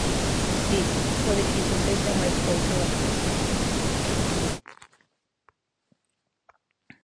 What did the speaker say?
Si, pode que iso sexa máis cousa da crítica.